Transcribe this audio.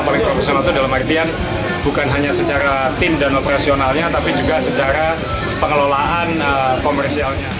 paling profesional itu dalam artian bukan hanya secara tim dan operasionalnya tapi juga secara pengelolaan komersialnya